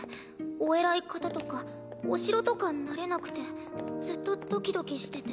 お偉い方とかお城とか慣れなくてずっとドキドキしてて。